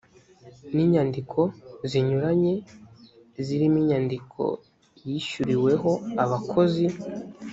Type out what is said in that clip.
ni inyandiko zinyuranye zirimo inyandiko yishyuriweho abakozi